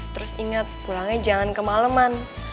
terus ingat pulangnya jangan kemaleman